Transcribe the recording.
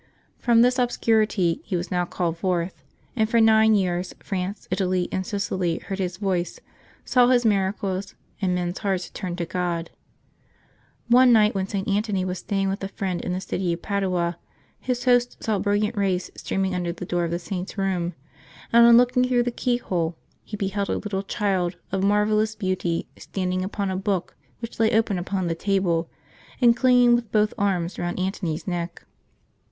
From this obscurity he was now called forth, and for nine years France, Italy, and Sicily heard his voice, saw his miracles, and men's hearts turned to God. One night, when St. Antony was staying with a friend in the city of Padua, his host saw brilliant rays streaming under the door of the Saint's room, and on looking through the key hole he beheld a little Child of marvellous beauty standing upon a book which lay open upon the table, and clinging with both arms round Antony's neck.